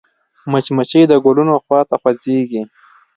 مچمچۍ د ګلونو خوا ته خوځېږي